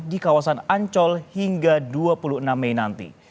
di kawasan ancol hingga dua puluh enam mei nanti